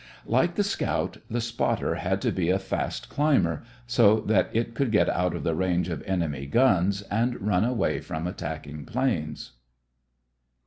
Like the scout, the spotter had to be a fast climber, so that it could get out of the range of enemy guns and run away from attacking planes.